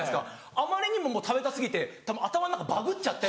あまりにももう食べた過ぎてたぶん頭の中バグっちゃって。